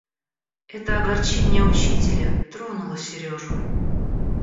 Это огорчение учителя тронуло Сережу.